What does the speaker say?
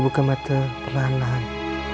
buka mata perlahan lahan